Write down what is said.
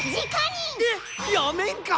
えっ⁉やめんかっ！